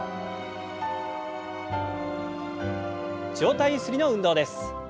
上体ゆすりの運動です。